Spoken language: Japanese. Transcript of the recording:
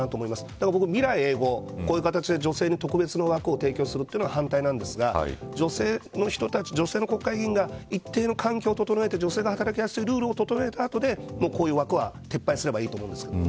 だから僕、未来永劫こういう形で女性に特別な枠を提供するのは反対なんですが女性の国会議員が一定の環境を整えて女性が働きやすいルールを整えた後でこういう枠は撤廃すればいいと思うんですけどね。